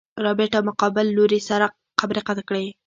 رابرټ له مقابل لوري سره خبرې قطع کړې.